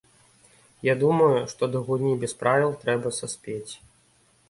Я думаю, што да гульні без правіл трэба саспець.